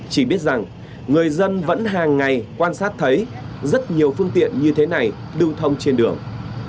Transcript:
chỉ biết rằng người dân vẫn hàng ngày quan sát thấy rất nhiều phương tiện như thế này lưu thông trên đường